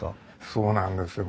そうなんですよ。